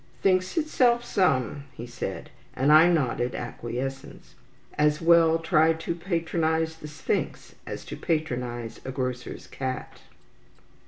"Thinks itself some," he said, and I nodded acquiescence. As well try to patronize the Sphinx as to patronize a grocer's cat.